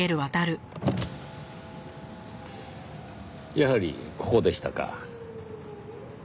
やはりここでしたか。